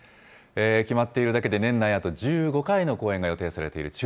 決まっているだけで、年内あと１５回の公演が予定されているＴＵＬＩＰ。